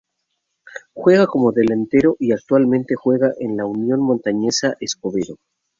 Juega como delantero y actualmente juega en la Unión Montañesa Escobedo.